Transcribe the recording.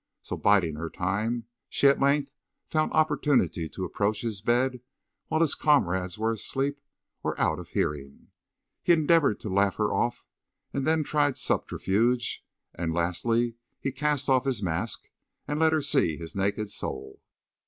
So, biding her time, she at length found opportunity to approach his bed while his comrades were asleep or out of hearing. He endeavored to laugh her off, and then tried subterfuge, and lastly he cast off his mask and let her see his naked soul.